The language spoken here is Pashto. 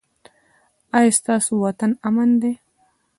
ایا ستاسو وطن امن نه دی؟